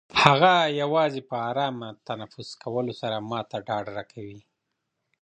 هغه یوازې په ارامه تنفس کولو سره ما ته ډاډ راکوي.